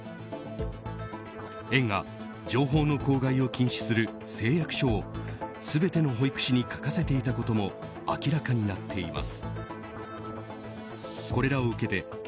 園が情報の口外を禁止する誓約書を全ての保育士に書かせていたことも明らかになっています。